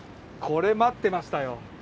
これ待ってましたよ。